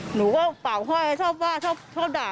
หนูก็เป่าห้อยชอบว่าชอบด่า